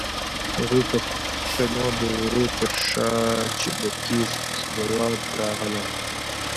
د هغو پښتنو د وره تر شا چې د کېست ځواب راغلی؛